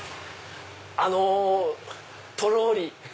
あの「とろり」。